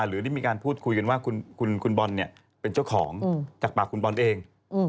หรือได้มีการพูดคุยกันว่าคุณบอลเป็นเจ้าของจากปากคุณบอลเอง